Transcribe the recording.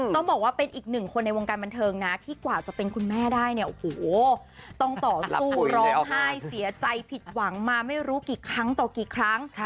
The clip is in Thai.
ต้องบอกว่าเป็นอีกหนึ่งคนในวงการบันเทิงนะที่กว่าจะเป็นคุณแม่ได้เนี่ยโอ้โหต้องต่อสู้ร้องไห้เสียใจผิดหวังมาไม่รู้กี่ครั้งต่อกี่ครั้ง